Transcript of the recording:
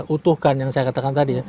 utuhkan yang saya katakan tadi ya